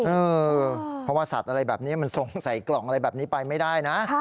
เออเพราะว่าสัตว์อะไรแบบนี้มันส่งใส่กล่องอะไรแบบนี้ไปไม่ได้นะ